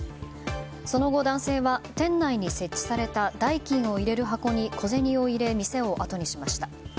その後、男性は店内に設置された代金を入れる箱に小銭を入れ、店をあとにしました。